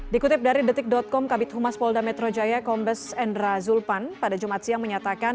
dikutip dari detik com kabit humas polda metro jaya kombes endra zulpan pada jumat siang menyatakan